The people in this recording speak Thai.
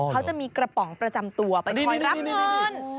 เขาจะมีกระป๋องประจำตัวไปคอยรับเงิน